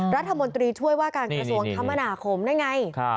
รัฐมนตรีช่วยว่าการกระทรวงคมนาคมนั่นไง